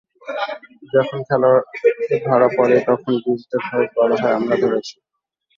যখনই খেলোয়াড় ধরা পড়ে, তখন ডিজিটাল ভয়েসে বলা হয়, আমরা ধরেছি!